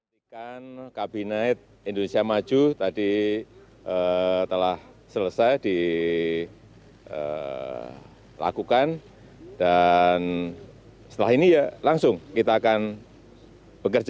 ini kan kabinet indonesia maju tadi telah selesai dilakukan dan setelah ini ya langsung kita akan bekerja